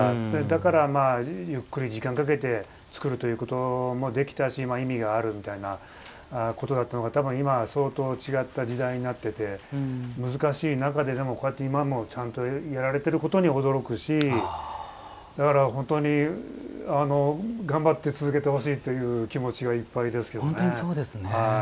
だから、ゆっくり時間かけて作ることもできたし意味があるみたいなことだったのが多分、今相当違った時代になっていて難しい中で、でもこうやって今もやられていることに驚くし、だから、本当に頑張って続けてほしいという気持ちがいっぱいですけどね。